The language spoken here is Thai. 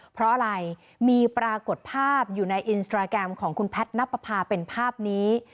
เพราะอะไรมีปรากฏภาพอยู่ในอินสตราแกรมของคุณแพทย์นับประพาเป็นภาพนี้